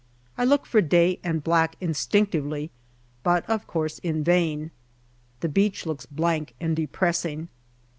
I look for Day and Black instinctively, but of course in vain. The beach looks blank and depressing.